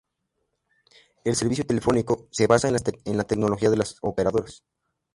El servicio telefónico, se basa en la tecnología de las operadoras.